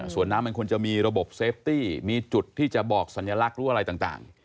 ส่วนน้ำมันควรจะมีระบบเซฟตี้มีจุดที่จะบอกสัญลักษณ์หรืออะไรต่าง